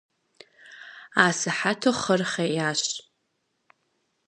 Асыхьэту хъыр хъеящ.